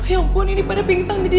ya ampun ini pada pingsan nih dia